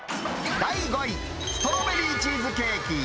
第５位、ストロベリーチーズケーキ。